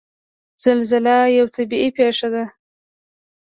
زلزله یوه طبعي پېښه ده.